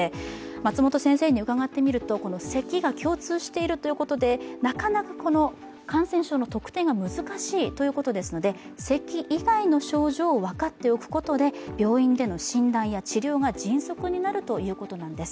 松本先生に伺ってみると、せきが共通しているということでなかなか感染症の特定が難しいということなんですけども、せき以外の症状を分かっておくことで病院での診断や治療が迅速になるということなんです。